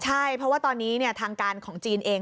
ใช่เพราะว่าตอนนี้ทางการของจีนเอง